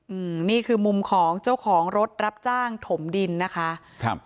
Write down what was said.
อืมนี่คือมุมของเจ้าของรถรับจ้างถมดินนะคะครับ